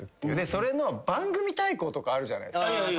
それの番組対抗とかあるじゃないですか。